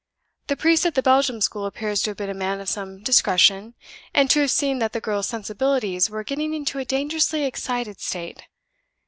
The priest at the Belgium school appears to have been a man of some discretion, and to have seen that the girl's sensibilities were getting into a dangerously excited state.